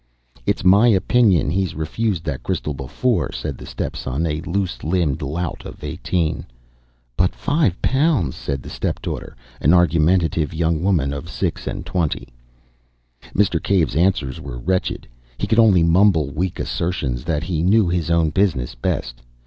"It's my opinion he's refused that crystal before," said the step son, a loose limbed lout of eighteen. "But Five Pounds!" said the step daughter, an argumentative young woman of six and twenty. Mr. Cave's answers were wretched; he could only mumble weak assertions that he knew his own business best.